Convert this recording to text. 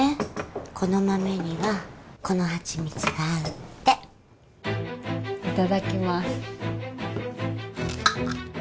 この豆にはこのハチミツが合うっていただきます